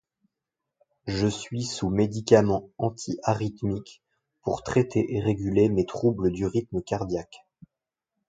Je suis sous médicaments antiarythmiques pour traiter et réguler mes troubles du rythme cardiaque.